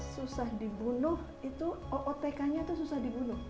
susah dibunuh itu ootk nya itu susah dibunuh